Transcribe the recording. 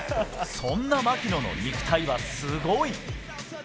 そんな槙野の肉体はすごい。